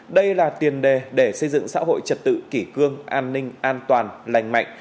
đây là tiền đề để xây dựng xã hội trật tự kỷ cương an ninh an toàn lành mạnh